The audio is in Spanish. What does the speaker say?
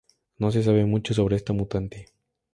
No se sabe mucho sobre esta mutante.